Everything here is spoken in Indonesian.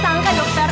kamu keadaan yang ku